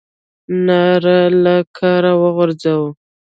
ناره له کاره غورځوو.